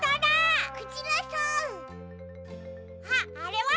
あっあれは？